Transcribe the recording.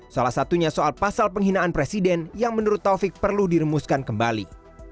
salah satunya soal pasal penghinaan presiden yang menurut taufik perlu diremuskan kembali